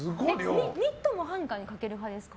ニットもハンガーにかける派ですか？